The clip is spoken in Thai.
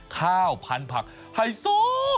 ข้าวพันธุ์ผักไฮโซ